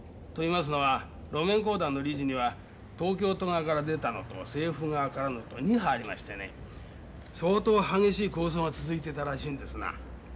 と言いますのは路面公団の理事には東京都側から出たのと政府側からのと２派ありましてね相当激しい抗争が続いてたらしいんですな。